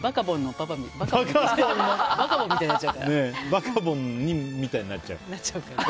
バカボンみたいになっちゃうから。